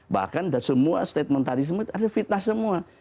bahkan semua statement tadi semua ada fitnah semua